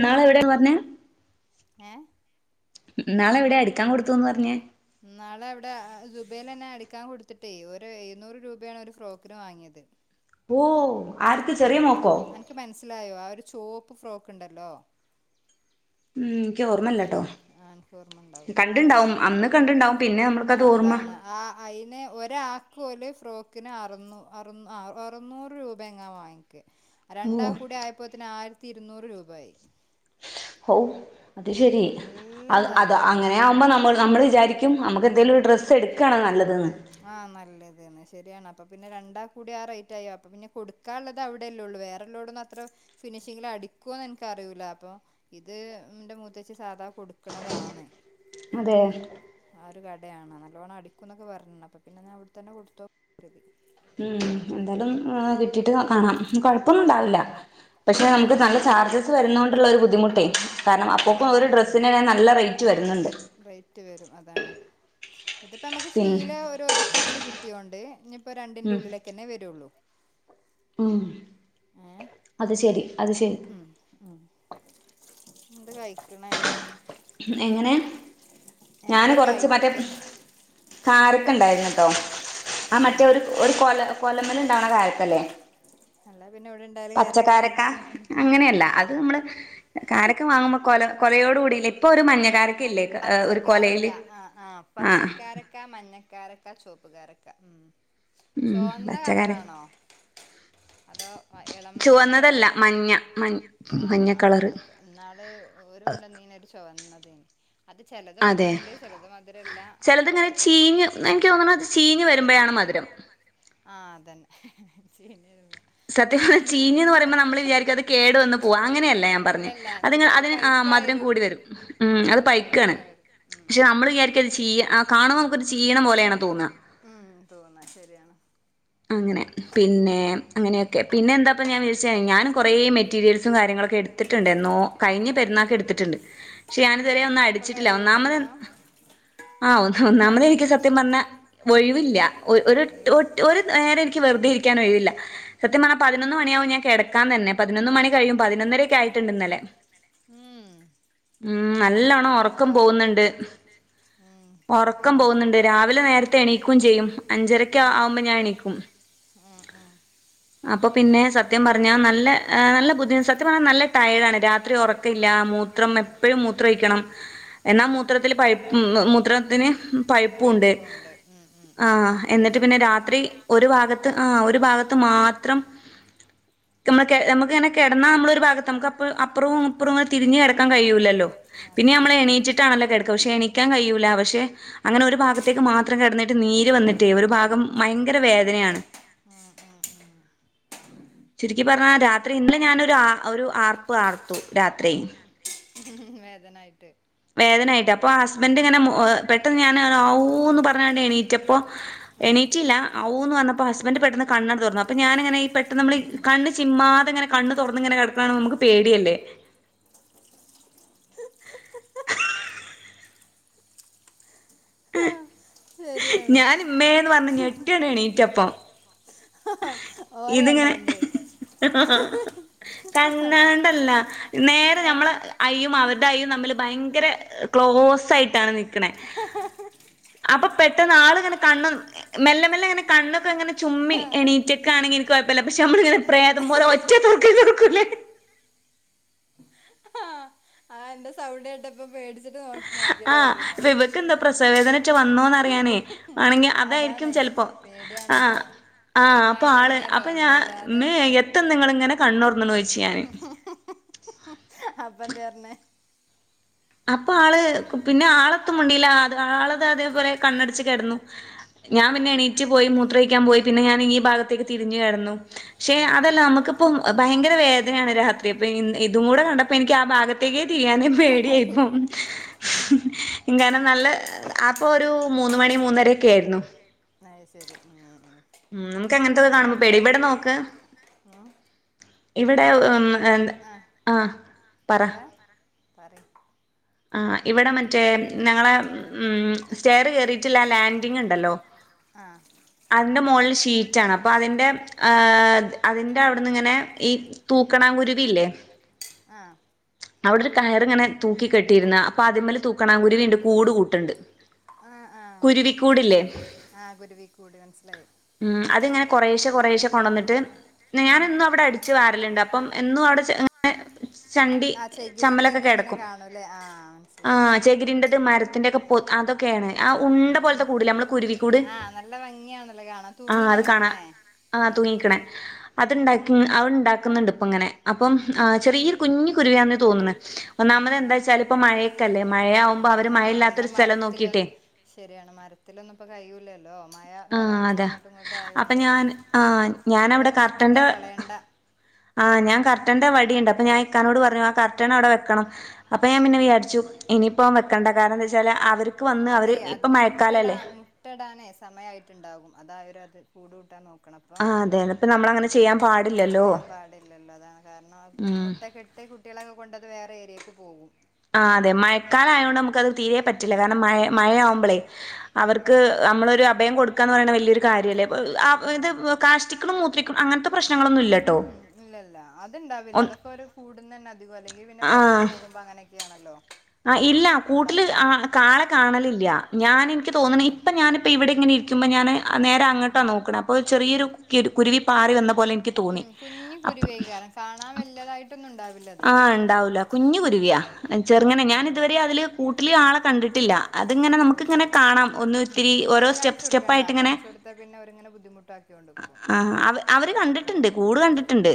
ഇന്ള് എവിടെ വന്ന്. ഏഹ് ഇന്നാള് എവിടെ അടിക്കാൻ കൊടുത്തുന്ന് പറഞ്ഞൊ. ഇന്നാള് ഇവിടെ ദുബയിൽന്നെ അടിക്കാൻ കൊടുത്തിട്ടേ ഒരു എഴുന്നൂറ് രൂപയാണ് ഒരു ഫ്രോക്കിന് വാങ്ങിയത്. ഓ.. ആർക്ക് ചെറിയ ഉം. മോക്കോ അനക്ക് മനസ്സിലായോ, ആ ഒരു ചുവപ്പ് ഫ്രോക്ക് ഉണ്ടല്ലോ. ഉം. എനിക്ക് ഓർമ്മയില്ലട്ടോ. ഓർമ്മ കണ്ടിണ്ടാവും അന്ന് കണ്ടിണ്ടാവും. പിന്നെ ആ നമ്മൾക്കത് ഓർമ്മ അതാണ് ആ അതിന് ഒരാക്ക് ഒരു ഫ്രോക്കിന് അറുന്നൂ, അറു, അറുന്നൂറ് രൂപങ്ങാൻ വാങ്ങി. ഓ രണ്ടാക്കും കൂടി ആയപ്പോത്തിന് ആയിരത്തിരുന്നൂറ് രൂപ ആയി. ഓ അത് ശരി. അത്, അത് ചാർജാണ് അങ്ങനെ അവിടെ ആകുമ്പോ നമ്മൾ, നമ്മൾ വിചാരിക്കും നമുക്ക് എന്തേലും ഒരു ഡ്രസ്സ് എടുക്കയാണ് നല്ലതെന്ന്. ആഹ് നല്ലതെണ്, ശരിയാണ് അപ്പൊ പിന്നെ രണ്ടാക്കും കൂടി ആ റേറ്റ് ആയി. അപ്പം പിന്നെ കൊട്ക്കാൻള്ള ത് അവ്ടെല്ലെ ഒള്ളൂ. വേറെല്ലോടൊന്നും അത്ര ഫിനിഷിങ്ങില് അടിക്കോന്ന് എൻക്ക് അറിയൂല്ല. അപ്പൊ ഇത് ഉം ഇന്റെ മൂത്തച്ചി സാധാ കൊട്ക്ക്ണതാണ്. അതേ ആ ഒരു കടയാണ്. നല്ലോണ്ണം അടിക്കുംന്നൊക്കെ പർഞ്ഞ്ണ്. അപ്പൊ പിന്നെ ഞാൻ അവ്ട്ത്തന്നെ കൊടുത്തോക്ക് കൃതി ഉം എന്തായാലും ഉം ഇഹ് കിട്ടിട്ട് കാണാം. കൊഴപ്പൊന്നും ഉണ്ടാവില്ല ഉം പക്ഷെ നമുക്ക് നല്ല അതന്നെ ചാർജ്ജ്‌ ക്ക് വരുന്നോണ്ട്ള്ളൊരു ബുദ്ധിമുട്ടെയ് കാരണം അപ്പോക്കും ഒരു ഡ്രസ്സിന് തന്നെ നല്ല റേറ്റ് വരുന്നുണ്ട്. റെയ്റ്റ് വരും അതാണ്. ഇത്പ്പൊ ഞമ്മക്ക് പിന്നെ ശീല ഓര് ഒത് ക്കത്തില് കിട്ടിയോണ്ട് ഇഞ്പ്പഹ് രണ്ടിന്റെ ഉം ഉള്ളിലെക്കെന്നെ വെരൊള്ളൂ ഉം ഏഹ് അത് ശരി, അത് ശരി ഉം ഉം. എന്ത കഴിക്ക്ണ് എങ്ങനെ ഞാന് എന്താ കൊറച്ച് മറ്റേ കഴിക്കണേ കാരക്ക ഇണ്ടായ്ര്ന്ന്ട്ടോ. ആ മറ്റേ ആഹ് ഒരു, ഒരു കൊല കൊലമ്മല് ഇണ്ടാവ്ണ കാരക്കല്ലേ അല്ല പിന്നെ ഇവിടെ ഇണ്ടാവല് കാരക്ക പച്ചക്കാരക്ക. അങ്ങനെയല്ല അത് നമ്മള് കാരക്ക വാങ്ങുമ്പോ കൊല, കൊലയോട് കൂടിയല്ലേ ഇപ്പൊ ഒരു മഞ്ഞ കാര മഞ്ഞ കാരക്കാ പച്ചക്കാരക്ക ആഹ് ആഹ് പച്ചക്കാര--ആഹ് ക്ക, മഞ്ഞക്കാരക്ക, ചോപ്പ്കാരക്ക ഉം. ഉം ചുവന്ന പച്ചക്കാര കളറാണോ അതോ ഇളം മഞ്ഞ ചുവന്നതല്ല കളറോ മഞ്ഞ, മഞ്, ആഹ് മഞ്ഞ ആഹ് കളറ് ഓക്കെ ഇന്നാള് ഓര് കൊണ്ടന്നീനൊര് ചുവന്നതേയ്നി അത് ചെലത് അതെ മധുരം ഉണ്ട്. ചെലത് മധുരല്ല ചെലതിങ്ങനെ ചീഞ്ഞ് എനിക്ക് തോന്ന്ണ് അത് ചീഞ്ഞ് വരുമ്പഴാണ് മധുരം ആഹ് അതന്നെ ചീഞ്ഞ് വെര്മ്പള് സത്യം പറഞ്ഞാൽ ചീഞ്ഞ്ന്ന് പറയുമ്പോ നമ്മൾ വിചാരിക്കും അത് കേടു വന്ന് പോവാ. അങ്ങനെയല്ല ഞാൻ പറഞ്ഞെ അല്ലല്ല എനിക്ക് അത്ങ്ങനെ അത് അതിന് പഴുക്കാ മധുരം കൂടി വരും. ഉം ആഹ് അത് പഴ്ക്കാണ്. പഴുക്കാ വരും ഉം പക്ഷെ ഉം നമ്മൾ ഉം വിചാരിക്കും ക്കുഅത് ചീയാ ആഹ് കാണുമ്പോ നമ്മ്ക്കൊരു ചീയ്ണപോലെയാണ് തോന്നാ ഉം തോന്നാ ശരിയാണ് അങ്ങനെ പിന്നെ അങ്ങനെയൊക്കെ പിന്നെ എന്താപ്പം ഞാൻ വിചാരിച്ചെ ഞാന് കൊറേ മെറ്റീരിയൽസും കാര്യങ്ങളൊക്കെ എട്ത്തിട്ട്ണ്ട് എന്നോ കഴിഞ്ഞ പെര്ന്നാക്ക് എട്ത്തിട്ട്ണ്ട് പക്ഷെ ഞാനിത്വരെ ഒന്നും അടിക്കാൻ ഇപ്പൊ അടിച്ചിട്ടില്ല ഒന്നാമത് കഴിയൂലല്ലോ എ ആഹ് ഒന്ന് ഇപ്പൊ ഒന്നാമതെ കഴിയ എനിക്ക് സത്യം പറഞ്ഞ ഓയ്‌വില്ല്യ ഒരു ഒര് ട്ട് കഴിയും ഒ ഒരു നേരം എനിക്ക് വെറുതെ ഇരിക്ക്യാൻ ഒഴിവില്ല സത്യം പർഞ്ഞാ പതിനൊന്ന് മണിയാകും ഞാൻ കെട ക്കാൻ തന്നെ പതിനൊന്ന് മണി കഴിയും പതിനൊന്നരയൊക്കെ ആയിട്ട്ണ്ട് ഇന്നലെ ഉം ഉം ഉം നല്ലോണം ഒറക്കം ഉഷാറ് പോവ്ന്ന്ണ്ട് ഉം ഒറക്കം പോവ്ന്നുണ്ട് രാവിലെ നേരത്തെ എണീക്കും ചെയ്യും അഞ്ചരക്കെയാ ആവുമ്പൊ ഞാൻ എണീക്കും ആഹ് ആഹ് അപ്പൊ പിന്നെ സ ത്യം പറഞ്ഞാൽ നല്ല നല്ല ബുദ്ധിമു സത്യം പറഞ്ഞാൽ നല്ല ടയേർഡ് ആണ് രാത്രി ഒറക്ക ഇല്ല മൂത്രം എ എപ്പഴും മൂത്രൊഴിക്കണം എന്നാ ഉം മൂത്രത്തില് പഴ് ഉം മൂത്രത്തിന് പഴ്പ്പും ഉണ്ട് പൈപ്പും ഉം ഉം ഉം ആഹ് മൂത്ര എന്ന്ട്ട് പിന്നെ അയച്ചിട്ടും രാത്രി ഒരു ഭാഗത്ത് ആഹ് ഒരു ഭാഗത്ത് മാത്രം ക്ക് അമ്മള് ഞമ്മക്ക്ങ്ങനെ കെടന്നാ നമ്മളൊരു ഭാഗത്ത് നമുക്ക് അപ്പ അപ്പൊറവും ഇപ്പുറവും ഇങ്ങനെ തിരിഞ് കെടക്കാൻ കയ്യുലല്ലോ പിന്നെ അതാണ് ഞമ്മള് എണീച്ച്ട്ടാണല്ലോ കെട്ക്ക പക്ഷെ എണിക്കാൻ കയ്യൂല്ല പക്ഷെ അങ്ങനെ ഒരു ഉം ഭാഗത്തേക്ക് മാ ത്രം കിടന്നിട്ട് നീര് വന്നിട്ടേ ഒരു ഭാഗം ഭയങ്കര വേദനയാണ് ആഹ് ആഹ് ആഹ് ചുരുക്കി പറഞ്ഞാ രാത്രി ഇന്നല ഞാനൊരു ആ ഒരു ആർപ്പ് ആർത്തു രാത്രി വേദനായിട്ട് വേദനയായിട്ട് അപ്പൊ ആ ഹസ്ബൻഡ് ഇങ്ങനെ പെട്ടെന്ന് ഞൻ ഹാവു പറഞ്ഞണ്ട് എണീറ്റപ്പൊ ഉം. എണീച്ചില്ല ആവൂന്ന് പറഞ്ഞപ്പോ ഹസ്ബന്റ് പെട്ടന്ന് കണ്ണട് തോർന്നു ഞാനാങ്ങനെ പെട്ടന്ന് നമ്മളെ കണ്ണ് ചി്മാതങ്ങനെ കണ്ണ് തൊറന്ന് ഇങ്ങനെ കിടക്കണ കാണുമ്പോ മ്മക്ക് പേടിയല്ലേ ശരിയാണ് ഞാൻ ഇമ്മേന്ന് പറഞ്ഞ് ഞെട്ടിയാണ്ട് എണീറ്റപ്പം ഓര അണ്ടാണ്ട് കന്നാണ്ടല്ല നേരെ ആ ഞമ്മള അയ്യും അവരുടെ അയ്യും തമ്മിൽ ഭയങ്കര ക്ലോസ് ആയിട്ടാണ് നിക്കണേ അപ്പൊ പെട്ടെന്ന് ആള് ഇങ്ങനെ കണ്ണും മെല്ലെ മെല്ലെ ഇങ്ങനെ കണ്ണൊക്കെ ഇങ്ങനെ ചുമ്മി കാണെങ്കി എനിക് കുഴപ്പല്ല പക്ഷെ നമ്മളിങ്ങനെ പ്രേതം പോലെ ഒറ്റതൊറക്കല് തൊർകൂലെ ആഹ് ന്റെ സൗണ്ടേട്ട ഇപ്പൊ പേടിച്ചിട്ട് നോ ആഹ് നോക്കിയതായരും ഇപ്പൊ ഇവക്കെന്താ പ്രസവവേദനറ്റെ വന്നോന്നറിയാനേ ഉം ആണെങ്കി അതായിരിക്കും അതാണ് ചെലപ്പോ ആഹ് പേടിയാണല്ലോ ആഹ് ടൈമായി അപ്പൊ ആള് തുടങ്ങിയല്ലോ അപ്പൊ ഇനി ഞാൻ വല്ലാതെ ഇമ്മേ എത്ത നിങ്ങളിങ്ങനെ കണ്ണൊറന്ന്ണോയ്ച്ച് ഞാന് അപ്പന്തേ അർഞേ അപ്പ ആള് പിന്നെ ആളത്തുംമുണ്ടീല്ല അത് ആളത് അതേപോലെ കണ്ണടച്ച് കടന്നു ഞാൻ അത് പിന്നെ ശരി എണീച്ച് പോയി മൂത്രയഴക്കൻ പോയി പിന്നെഞൻ ഈ ഭാഗത്തേക്ക് തിരിഞ്ഞു കെടന്നു ക്ഷെ ഉം ഉം അതല്ല നമ്മുക്കിപ്പം ഭയങ്കര വേദനയാണ് രാത്രി അപ്പൊ ഇതും കൂടെ ഉം കണ്ടപ്പോ എനിക്ക് ആ ഭാഗത്തേക്കേ തിരിയാനെ പേടിയായി ഇങ്ങാനെ നല്ല അപ്പൊ ഒരു മൂന്ന് മണി മൂന്നരൊക്കെ ആയിരുന്നു അഹ് ശരി ഉം ഉം ഉം നമുക്ക് അങ്ങനത്തെത് ആ കാണുമ്പോ പേടി ഇപ്പയിന് ഇവിടെ നോക്ക് ഉം ഇവിടെ ഇപ്പളേ എന്താ ആ പറ പറി ആഹ് ഇവിടെ മറ്റേ ഞങ്ങളെ ഉം സ്റ്റെയർ കയറിയിട്ടില്ല ലാൻഡിങ് ണ്ടല്ലോ ആഹ് അതിന്റെ മൊൾല് ഷീറ്റാണ് അപ്പൊ അതിന്റെ ഏഹ് അതിന്റെ അവിടുന്ന് ഇങ്ങനെ ഈ തൂക്കണാങ്ങുരുവില്ലേ. ആഹ്. അവിടെരു കയറി ഇങ്ങനെ തൂക്കി കെട്ടിരുന്ന അപ്പൊ അതിമ്മല് തൂക്കണ കുരുവി ഉണ്ട് കൂട് കൂട്ട്ണ്ട്. ആഹ് ആഹ് ആഹ് കുരുവികൂട് മനസ്സിലായി. ഉം അത് ഇങ്ങനെ കൊറെേശ്ശെ കൊറെേശ്ശ കൊണ്ടോന്നിട്ട് ഉം ഞാനന്നു അവിടെ അട് ച്ച് വാരല്ണ്ട് അപ്പം എന്നും അവിടെ ചെ ങ്ങനെ ആ ചെകിരിന്റെത് ഇങ്ങനെ കാണൂല്ലേ ആഹ് മനസ്സിലായി ചകി്രിന്റെത് മരത്തിന്റെക്കെ പോത് അതൊക്കെയാണ് ആ ഉണ്ട പോലത്തെ കൂട നമ്മള് കുരുവിക്കൂട്. ആഹ് അത് കാണാ തൂങ്ങിങ്ങനക്ക്ണെ. ആഹ് തൂങ്ങിക്കണേ അത്ണ്ടാക്കിങ്‌ അവിടെണ്ടാക്കുന്നുണ്ട് ഇപ്പങ്ങനെ അപ്പം ആഹ് ചെറിയരു കുഞ്ഞു കുരുവിയന്നേ തോന്നുണേ ഉം ഒന്നാമത് ഉം ഉം എന്താെച്ചാല് ഇപ്പ മഴക്കല്ലേ മഴയാ ആവുമ്പോ അവര് ആഹ് മ്മ മഴയില്ലാത്തൊരു സ്ഥലം നോക്കിയിട്ടേ മരത്തിലൊന്നും ശരിയാണ് മരത്തിലൊന്നും ഇപ്പ കയ്യുല്ലൽ ല്ലോ മായ ആഹ് കാലാവസ്ഥ അതാ അങ്ങോട്ടും ഇങ്ങോട്ടും അപ്പൊ ആയോണ്ട് ഞാൻ ആഹ് അവിടെ ഞാനവിടെ കർട്ടന്റെ നിന്നേട്ടെ കളയണ്ട. ആഹ് ഞാൻ കർട്ടന്റെ വടിയുണ്ട് അപ്പൊ ഞാൻ ഇക്കാനോട് പറഞ്ഞു ആ കർട്ടൺ അവിടെ വെക്കണം അപ്പൾ ഞാൻ പിന്നെ വിചാരിച്ചു ഇനിയിപ്പം വെക്കണ്ട കാരണം എന്താ വെച്ചാൽ അവർക്ക് വന്ന് അവർ ഇപ്പം മഴക്കാല അല്ലേ. മുട്ട ഇടാനെ സമയമായിട്ടുണ്ടാകും അതാ അവരഅത് കൂടൂട്ടാൻ നോക്കണം അപ്പം. ആഹ് അതെ ഇപ്പ നമ്മളങ്ങനെ ഉം ചെയ്യാൻ പാടില്ലല്ലോ ചെയ്യാൻ പാടില്ലല്ലോ അതാണ് കാരണം ഉം മുട്ടക്കെട്ടേ. കു കുട്ടികള കൊണ്ടത് വേറെ ഏരിയേക്ക് പോകും. ആ അതെ മയക്കാലായോണ്ട് ഞമക്കത് തീരെ പ റ്റെല്യ കാരണം മയ മയാവുമ്പോളേ ഉം അവർക്ക് ഉം നമ്മളൊര് അഭയം കൊടുക്കാന്ന് പറയുന്ന വല്യൊരു കാര്യ അല്ലേ. ത് കാഷ്ടിക്കും മൂത്രിക്കും അങ്ങനത്തെ പ്രശ്നങ്ങളൊന്നും ഇല്ലട്ടോ ഉം ഒ കൂടുന്നെന അധികം അല്ലെങ്കിൽ പിന്നെ ആ പൊറത്തു പോകുമ്പോ അങ്ങനെയൊക്കെയാണല്ലോ. ആ ഇല്ല ഉണ്ടാവ കൂട്ടില് ആ കാളെ കാണലില്ല ഞാൻ എനിക്ക് തോന്നണ ആഹ് ഇപ്പ ഞാനിപ്പോ ഇവിടെ ഇങ്ങനെ ഇരിക്കുമ്പോ ഞാന് നേരെ അങ്ങട്ടാ നോക്കണ അപ്പൊ ചെറിയൊരു കുരുവി പാറി വന്ന പോലെ എനിക്ക് തോന്നി ഉം കുഞ്ഞ് അപ്പ കുരുവേക്കാരം കാണാൻ വല്യതായിട്ടൊന്നും ഉണ്ടാവില്ല അത് ആഹ് ഇണ്ടാവൂല കുഞ്ഞു കുരുവിയാ ഉം ഉം ചെറങ്ങനെ ഞാന് കുഞ്ഞ് കുരു ഇതുവരെ അതില് കൂട്ടില് ആളെ കണ്ടിട്ടില്ല അത്ങ്ങനെ അത് നമുക്ക്ങ്ങനെ ശരി കാണാം ഒന്നും ഉം ഇത്തിരി ഓരോ കുട്ടിയക്ക് സ്റ്റെപ്പ് കാണിച്ചു കൊടുക്കണ്ട സ്റ്റെപ്പായിട്ട് ഇങ്ങനെ കാണിച്ചു കൊടുത്താ പിന്നെ അവരിങ്ങനെ ബുദ്ധിമുട്ടാക്കിയോണ്ട്ക്കും ആഹ് അവ അവര് മക്കള് കണ്ടിട്ട്ണ്ട് കൂട് കണ്ടിട്ട്ണ്ട്.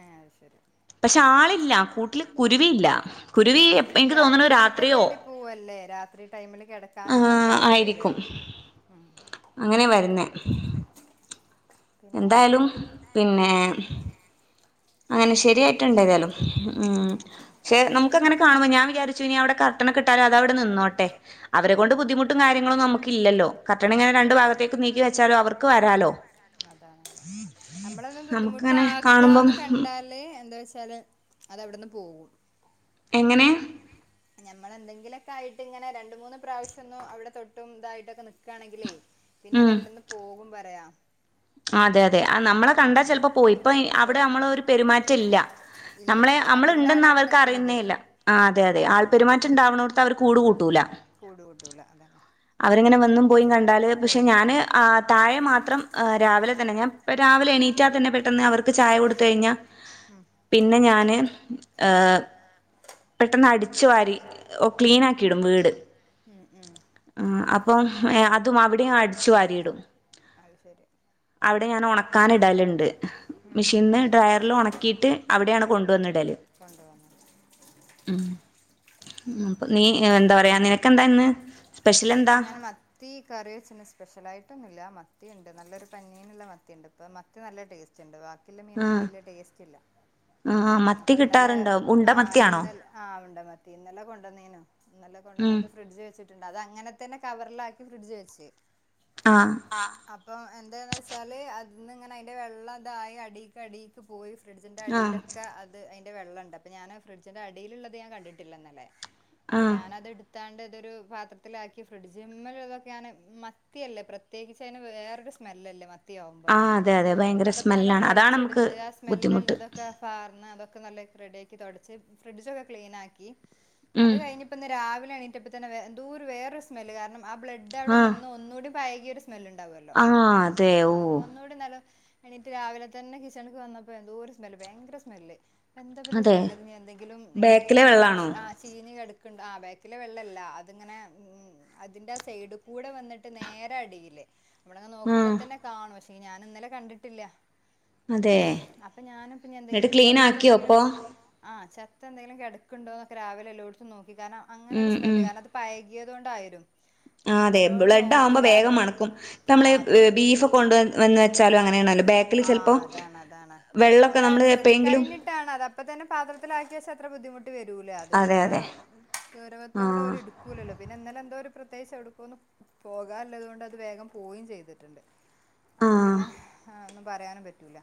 ഏഹ് അയ് ശരി. പക്ഷേ ആളില്ല കൂട്ടില് കുരുവിയില്ല കുരുവി ആഹ് ഇല്ല എനിക്ക് അത് തോന്നുണു തീറ്റ രാത്രിയോ തേടി പേവല്ലേ രാത്രി ടൈമില് കെടക്കാൻ അങ്ങനൊക്കെ ആഹ് ആയിരും വരാ. ആയിരിക്കും ഉം. അങ്ങനെ വരുന്നേ. പിന്നെ എന്തായാലും പിന്നെ ഉം അങ്ങനെ ശരിയായിട്ടുണ്ടേതായാലും ഉം അതെ പക്ഷേ നമുക്കങ്ങനെ കാണുമ്പോ ഞാൻ വിചാരിച്ചു ഇനി അവിടെ കർട്ട ട്ടനൊക്കെട്ടലതവടെ നിന്നോട്ടെ അവരെ ഉം കൊണ്ട് ബുദ്ധിമുട്ടും കാര്യങ്ങളും നമുക്കില്ലല്ലോ കട്ടണ ഇങ്ങനെ ഇല്ലല്ലോ രണ്ട് അതന്നെ ഭാഗത്തേക്ക് നീക്കി വെച്ചാ ച്ചാല് അവർക്ക് വരാലോ. അതാണ് നമ്മളൊന്നും നമുക്കങ്ങനെ കാണുമ്പം ബുദ്ധിമുട്ടാക്കാന്ന് കണ്ട ഉം കണ്ടാല് എന്താ വെച്ചാല് അത് അവിടെന്ന് പോകും. എങ്ങനെ. ഞമ്മളെന്തെങ്കിലൊക്കായിട്ട്ങ്ങനെ രണ്ട് മൂന്ന് പ്രാവശ്യം ഒന്നും അവിടെ തൊട്ടും ഇതായിട്ടൊക്കെ നിക്കാണെങ്കില് പിന്നെ അതവിടന്ന് പോകും പറയാ ആ അതെയതെ ആ നമ്മളെ കണ്ടാ ചെൽപ്പോ പോയിപ്പോയി അവിടെ പോയി ഉം നമ്മളൊരു പെരുമാറ്റം ഇല്ല ഇല്ല നമ്മളെ ഇല്ല നമ്മള് അതുകൊണ്ടാണ് ഇണ്ടെന്ന് അവിടെ അവർക്ക് നിക്കണത് അറിയുന്നേല്ലാ. ഉം അതാണ് കൂട് കൂട് കൂട്ടൂല അതാണ്. അവരിങ്ങനെ വന്നും പോയി കണ്ടാല് പക്ഷെ പോയി ഉം ഞാന് ആ തായെ മാത്രം ഏഹ് രാവിലെ തന്നെ ഞാൻ ഇപ്പ രാവിലെ എണീറ്റാ തന്നെ പെട്ടെന്ന് അവർക്ക് ചായ കൊടുത്ത കഴിഞ്ഞ ഉം പിന്നെ ഞാന് ഏഹ് പെട്ടെന്ന് അടിച്ചു വാരി ഓ ഉം ക്ലീൻ ആക്കിടും വീട് ഉം ഉം ആഹ് അപ്പം അതും അവിടെയും അടിച്ചു വരിയിടും അയ് ശരി അവിടെ ഞാന് ഒണക്കാനിടല്ണ്ട് ഉം മെഷീനിന്ന് ഡ്രയറിൽ ഉണക്കിയിട്ട് അവിടെയാണ് കൊണ്ടുവന്നിടല് കൊണ്ടുവന്ന് ഇടല് ഉം നീ എന്താ പറയാ നിനക്കെന്താ ഇന്ന് സ്പെഷ്യലെന്താ ത്തീ കറി വെച്ചിന്. സ്പെഷ്യലായ്ട്ടൊന്നുല്ല. മത്തിയുണ്ട്. നല്ലൊരു പഞ്ഞീന്ള്ള മത്തി ഇണ്ട് ഇപ്പം മത്തി നല്ല ടേസ്റ്റ സ്റ്റ്ണ്ട് വാക്കില്ല മീനൊന്നും ആഹ് വെല്യ ടേസ്റ്റ് ഇല്ല. ആഹ് മത്തി അപ്പൊ ഇന്നലെ കിട്ടാറുണ്ടോ ഉണ്ട ആഹ് മത്തിയാണോ ഇന്നലെ ആഹ് ഉണ്ട മത്തി. ഇന്നലെ കൊണ്ടന്നീനു. ഇന്നലെ ഉം കൊണ്ടന്നത് ഫ്രിഡ്ജ് വെച്ചി ണ്ട് അത് അങ്ങനെ തന്നെ കവറിലാക്കി ഫ്രിഡ്ജ് വെച്ച് ആഹ് ആഹ് അപ്പം എന്താന്ന് വെച്ചാല് അതിന്ന് ഇങ്ങനെ അയ്ന്റെ വെള്ളം തായി അടി ക്കെ അടീക്ക് പോയി ഫ്രിഡ്ജിൻ്റെ അടിയി ആഹ് അത് അയ്ന്റെ വെള്ളണ്ട്. അപ്പ ഞാന് ഫ്രഡ്ജിന്റടീല്ള്ളത് ഞാൻ കണ്ടിട്ടില്ലന്നലെ. അപ്പൊ ആഹ് ഞാനത് ഇട് ത്താണ്ട് ഇതൊരു പാത്രത്തിലാക്കി ഫ്രിഡ്ജ്മ്മല്തൊക്കെ ഞാന് മത്ത്യല്ലെ പ്ര ത്യേകച്ച്തിന് വേറെരു സ്മെല്ലല്ലേ മത് ത്യാവുമ്പം ആഹ് തന്നെ. അതെ അതെ അപ്പൊ ഭയങ്കര അതൊക്കെ നല്ലോം സ്മെല്ലാണ് അതാണ് നമുക്ക് തൊടച്ചെടുത്ത് ആഹ് ബുദ്ധിമുട്ട് സ്മെല്ല്ല്ലതൊക്കെ പാർന്ന് അതൊക്കെ നല്ല റെഡിയാക്കി തൊടച്ച് ഫ്രിഡ്ജൊക്കെ ക്ലീനാക്കി. ഉം അത് കഴിഞ്ഞ് ഇപ്പ ഇന്ന് രാവിലെ എണീറ്റപ്പത്തന്നെ വെ എന്തോരു വേറൊരു സ്മെല്ല്. കാരണം ആഹ് ബ്ലഡ് അവിടെ ആഹ് നിന്ന് ഒന്നൂടിം പഴകിയൊരു സ്മെല്ല്ണ്ടാവൊല്ലോ. ആഹ് അതെ ഓ ആഹ് അപ്പൊന്നൂടിം നല്ല എണീറ്റ് രാവിലെ തന്നെ കിച്ചണ്ക്ക് വന്നപ്പൊ എന്തോര് സ്മെല്ല് ഭയങ്കര സ്മെല്ല്. എന്തപ്പത് അതെ സംഗതി ഇഞ് എന്തെങ്കിലും എവിടെങ്കിലും ബേക്കിലെ വെള്ളാണോ ആഹ്. ചീഞ്ഞ് കടക്ക്ണ്ട്. ആഹ് ബേക്കിലെ വെള്ളല്ല അതിങ്ങനെ. അതിന്റാ സൈഡ്ക്കൂടെ വന്നിട്ട് നേരെ അടീല്. ഇവിടെങ്ങ് നോക്കുമ്പ ആഹ് തന്നെ കാണും. പക്ഷേ ഞാന് ഇന്നലെ കണ്ടിട്ടില്ല. അതെ അപ്പ ഞാനും. എന്നിട്ട് എന്തെങ്കിലും ക്ലീൻ ആക്കിയോ ചത്തെന്തെങ്കിലും. അപ്പൊ ആഹ് ചത്തെന്തെങ്കിലും കിടക്കുണ്ടോന്നൊക്കെ രാവിലെ എല്ലോട്ത്തും നോക്കി. കാരണം അങ്ങനൊരു ഉം സ്മെല്ല് ഉം കാരണത് പയകിയതുകൊണ്ടായിരു ആഹ് അതെ ബ്ലഡ് ആകുമ്പോ വേഗം മണക്കും. ഇപ്പമ്മള് ആഹ് അത് മ ബീഫ് കൊണ്ട് വന്ന് വന്ന് വെച്ചാലും അങ്ങനേണല്ലോ. ബേക്കില് ചെൽപ്പോ ആഹ് അതാണ് അതാണ്. അത് ശ്രദ്ധിക്കാഴിഞ്ഞിട്ടാണ്. അതപ്പത്തന്നെ പാത്രത്തിലാക്കി വെച്ചാത്ര ബുദ്ധിമുട്ട് ട്ട് വരൂല. അത് അതെ പിന്നത്ര അതെ ഗൗരവത്തോടെ ആഹ് ഇവര്ട് ക്കൂലല്ലൊ. പിന്നെ ഇന്നെലെ എന്തോരു പ്രത്യേകിച്ചെവിടുക്കോന്ന് പോകാല്ലതോണ്ടത് വേഗം പോവേം ചെയ്തിട്ട്ണ്ട്. അപ്പൊ ആഹ് പിന്നെ ആഹ് ഒന്നും പറയാനും പറ്റൂല.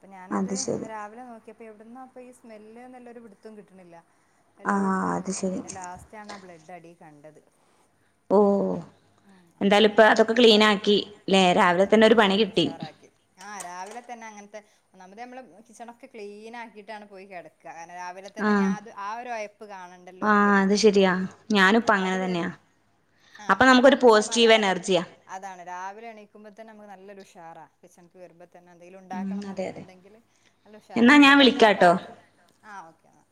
അപ്പ ഞാനത് അത് ഇന്ന് ശരി രാവിലെ നോക്ക്യേപ്പോ എവിട്ന്നാപ്പീ സ്മെല്ല്ന്ന്ല്ലൊരു പിടുത്തൊം കിട്ട്ണില്ല. ആഹ് എല്ലോട്ത്തും അത് നോക്കി. പിന്നെ ശരി ലാസ്റ്റാണ് ആഹ് ബ്ലഡ് അടീ കണ്ടത്. ഓ ഉം അപ്പൊ പിന്നെ എന്തായാലുപ്പം അത് അതൊക്കെ ക്ലീൻ ആക്കി ക്ലീനാക്കി ല്ലേ. രാവിലെ തന്നെ ഒരു പണി കിട്ടി. ആഹ് രാവിലെ തന്നെ അങ്ങൻത്തെ ഒന്നാമത് നമ്മള് കിച്ചണൊക്കെ ക്ലീൻ ആക്കീട്ടാണ് പോയി കെട കാരണം രാവിലെ തന്നെ ആഹ് ഞാൻത് ആഹ് ഒരു ഒയപ്പ് കാണണ്ടല്ലോന്ന് ആഹ് അത് കരുതിയിട്ട്. ശരിയാ ഉം. ഞാനിപ്പ അപ്പൊ അങ്ങനെ അത് വരും. തന്നെയാ ആഹ് അപ്പൊ അങ്ങനെ ആക്ക്യ നമുക്കൊരു നല്ല പോസിറ്റീവ് സമാധാന. എനർജിയാ അതാണ് രാവിലെ എണിക്കുമ്പോ തന്നെ നമ്മക്ക് നല്ലൊരു ഉഷാറാ. കിച്ചൺക്ക് വരുമ്പതന്നെ എന്തെങ്കിലു ഉം ഇണ്ടാക്കണംന്ന്. അതെ അതെ ക്കെണ്ടെങ്കില് നല്ല ഉഷാറാ. എന്നാ ഞാൻ മറ്റെതതാ വിളിക്കാട്ടോ പാത്രം ആഹ് ഓക്കെ ഇന്നാ.